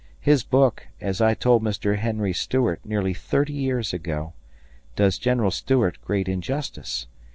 His book, as I told Mr. Henry Stuart nearly thirty years ago, does General Stuart great injustice.